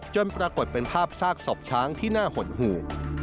จนปรากฏเป็นภาพซากศพช้างที่หน้าห่วนหู